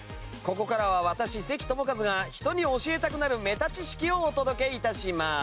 ここからは私関智一が人に教えたくなるメタ知識をお届け致します。